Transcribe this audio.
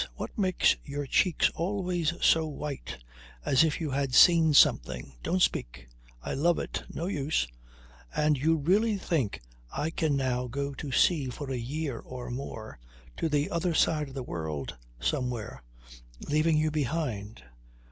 What makes your cheeks always so white as if you had seen something ... Don't speak. I love it ... No use! And you really think that I can now go to sea for a year or more, to the other side of the world somewhere, leaving you behind.